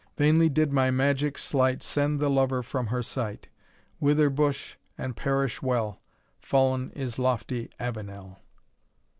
Vainly did my magic sleight Send the lover from her sight; Wither bush, and perish well, Fall'n is lofty Avenel!"